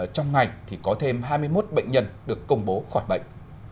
trong ngày thì có thêm hai mươi một bệnh nhân được công bố khỏi bệnh